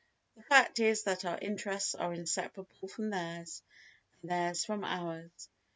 The fact is that our interests are inseparable from theirs, and theirs from ours.